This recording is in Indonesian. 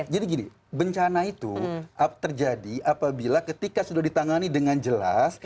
jadi gini bencana itu terjadi apabila ketika sudah ditangani dengan jelas